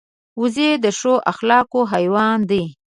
وزې د ښو اخلاقو حیوان دی